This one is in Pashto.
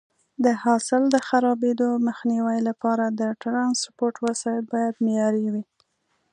د حاصل د خرابېدو مخنیوي لپاره د ټرانسپورټ وسایط باید معیاري وي.